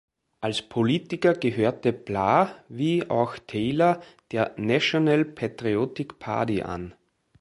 Als Politiker gehörte Blah, wie auch Taylor, der National Patriotic Party an.